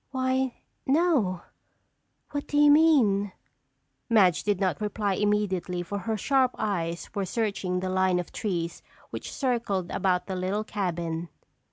Why, no. What do you mean?" Madge did not reply immediately for her sharp eyes were searching the line of trees which circled about the little cabin.